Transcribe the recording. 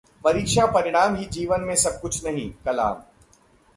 परीक्षा परिणाम ही जीवन में सब कुछ नहीं: कलाम